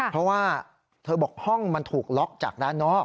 เพราะว่าเธอบอกห้องมันถูกล็อกจากด้านนอก